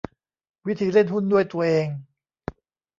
วิธีเล่นหุ้นด้วยตัวเอง